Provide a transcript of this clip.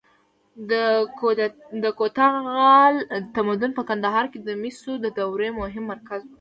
د کوتاه غال تمدن په کندهار کې د مسو د دورې مهم مرکز و